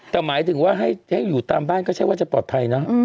แต่หมายถึงว่าให้อยู่ตามบ้านก็ใช่ว่าจะปลอดภัยนะ